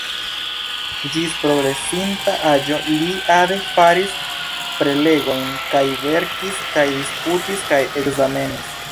Ĝis progresinta aĝo li ade faris prelegojn kaj verkis kaj disputis kaj ekzamenis.